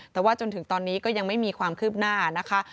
แต่ว่าจนถึงตอนนี้ก็ยังไม่มีความคืบหน้านะคะ